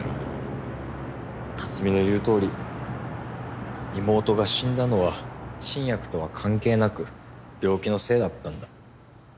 辰巳の言うとおり妹が死んだのは新薬とは関係なく病気のせいだったんだ。